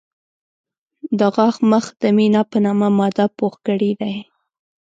د غاښ مخ د مینا په نامه ماده پوښ کړی دی.